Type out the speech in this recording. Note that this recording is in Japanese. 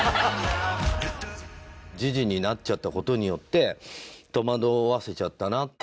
時事になっちゃった事によって戸惑わせちゃったな。